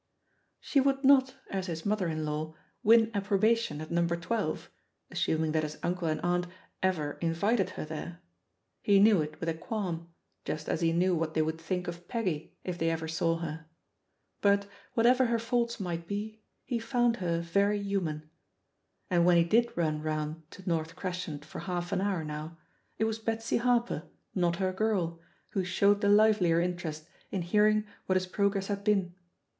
She would not, as his mother in law, win ap probation at No. 12 — assuming that his imcle and aunt ever invited her there — ^he knew it with a qualm, just as he knew what they would think of Peggy if they ever saw her; but, whatever her faults might be, he found her very himian. And when he did run round to North Crescent for half an hour now, it was Betsy Harper, not her girl, who showed the livelier interest in hearing what his progress had been.